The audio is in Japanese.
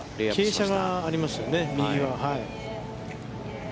傾斜がありますよね、右は。